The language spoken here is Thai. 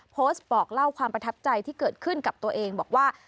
โพสต์บอกเล่าความประทับใจที่เกิดขึ้นกับตัวเองบอกว่า